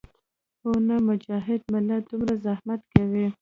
او نۀ مجاهد ملت دومره زحمت کوي